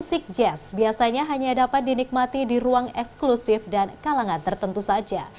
musik jazz biasanya hanya dapat dinikmati di ruang eksklusif dan kalangan tertentu saja